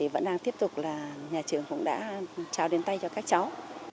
và nhà trường cũng đã trao đến tay cho các cháu